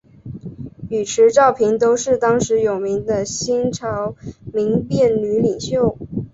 与迟昭平都是当时有名的新朝民变女领袖。